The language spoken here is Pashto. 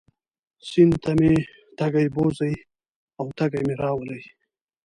سیند ته مې تږی بوځي او تږی مې راولي.